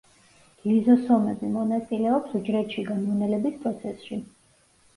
ლიზოსომები მონაწილეობს უჯრედშიგა მონელების პროცესში.